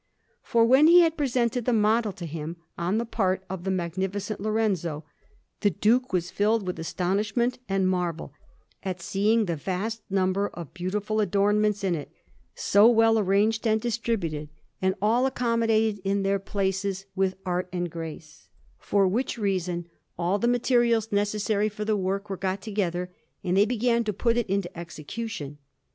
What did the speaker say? For when he had presented the model to him, on the part of the Magnificent Lorenzo, the Duke was filled with astonishment and marvel at seeing the vast number of beautiful adornments in it, so well arranged and distributed, and all accommodated in their places with art and grace; for which reason all the materials necessary for the work were got together, and they began to put it into execution.